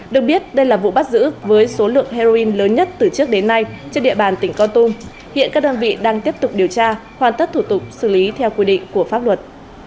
được biết đây là vụ bắt giữ với số lượng heroin lớn nhất từ trước đến nay trên địa bàn tỉnh con tum hiện các đơn vị đang tiếp tục điều tra hoàn tất thủ tục xử lý theo quy định của pháp luật